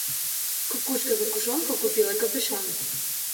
Кукушка кукушонку купила капюшон.